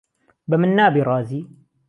به من نابی رازی